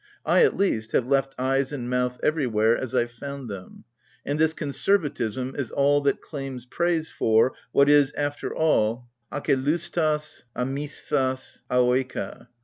I, at least, have left eyes and mouths everywhere as I found them, and this conservatism is all that claims praise for — what is, after all, uKiXevffTog ciuiffdot; aoica.